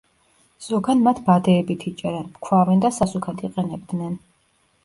ზოგან მათ ბადეებით იჭერენ, ფქვავენ და სასუქად იყენებდნენ.